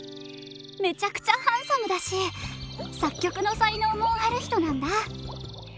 めちゃくちゃハンサムだし作曲の才能もある人なんだ。